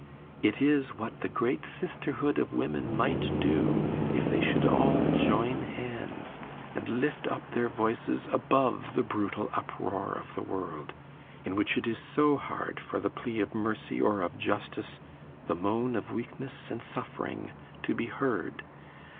It is what the great sisterhood of women might do if they should all join hands, and lift up their voices above the brutal uproar of the world, in which it is so hard for the plea of mercy or of justice, the moan of weakness and suffering, to be heard.